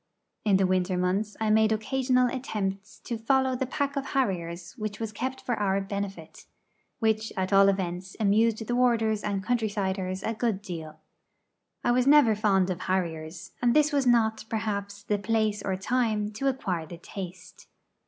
In the winter months I made occasional attempts to follow the pack of harriers which was kept up for our benefit which at all events amused the warders and country siders a good deal. I was never fond of harriers, and this was not, perhaps, the place or time to acquire the taste.